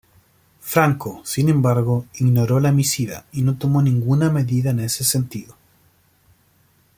Franco, sin embargo, ignoró la misiva y no tomó ninguna medida en ese sentido.